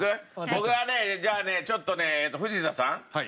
僕はねじゃあねちょっとね藤田さん